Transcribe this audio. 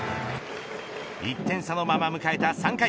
１点差のまま迎えた３回。